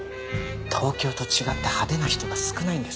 東京と違って派手な人が少ないんです。